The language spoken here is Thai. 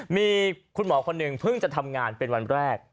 มีคุณหมอคนหนึ่งเพิ่งจะทำงานเป็นวันแรก